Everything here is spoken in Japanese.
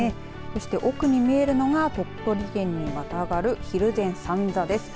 そして、奥に見えるのが鳥取県にまたがる蒜山三座です。